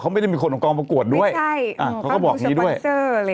เขาไม่ได้มีคนของกองประกวดด้วยไม่ใช่อ่าเขาก็บอกนี้ด้วยอะไร